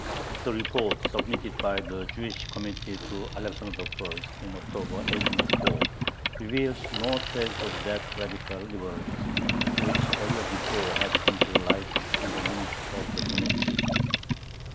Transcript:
The report submitted by the Jewish Committee to Alexander I. in October, 1804, reveals no trace of that radical liberalism which a year before had come to light in the minutes of the Committee.